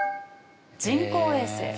人工衛星。